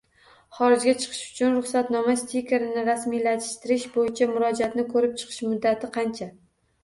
Xorijga chiqish uchun ruxsatnoma stikerini rasmiylashtirish bo‘yicha murojaatni ko‘rib chiqish muddati qancha?